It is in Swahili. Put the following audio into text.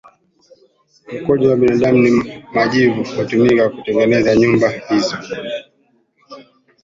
mkojo wa binadamu na majivu hutumika kutengeneza nyumba hizo